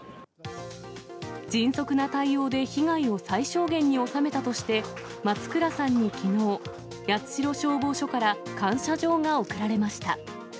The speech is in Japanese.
迅速な対応で被害を最小限に収めたとして、松倉さんにきのう、八代消防署から感謝状が贈られました。